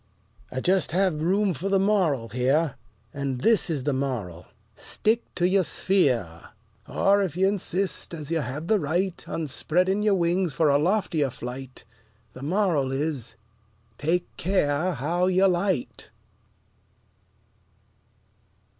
I just have room for the MORAL here: And this is the moral: Stick to your sphere. Or, if you insist, as you have the right, On spreading your wings for a loftier flight, The moral is, Take care how you light.